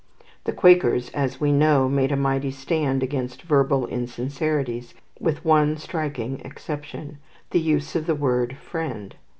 The Quakers, as we know, made a mighty stand against verbal insincerities, with one striking exception, the use of the word "Friend."